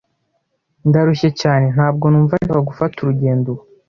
Ndarushye cyane. Ntabwo numva nshaka gufata urugendo ubu.